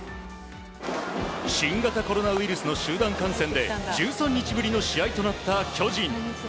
新型コロナウイルスの集団感染で１３日ぶりの試合となった巨人。